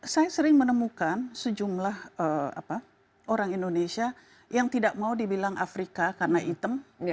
saya sering menemukan sejumlah orang indonesia yang tidak mau dibilang afrika karena hitam